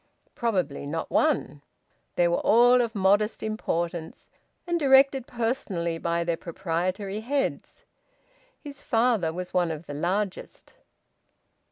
Probably not one. They were all of modest importance, and directed personally by their proprietary heads. His father's was one of the largest...